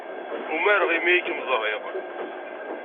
Umareɣ imi ay kem-ẓriɣ.